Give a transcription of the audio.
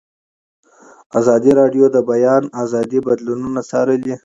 ازادي راډیو د د بیان آزادي بدلونونه څارلي.